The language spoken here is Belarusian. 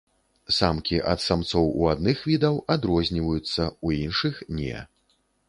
Самкі ад самцоў у адных відаў адрозніваюцца, у іншых не.